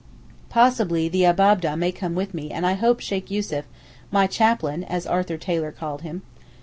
Possibly the Abab'deh may come with me and I hope Sheykh Yussuf, 'my chaplain' as Arthur Taylor called him.